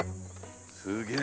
すげえ。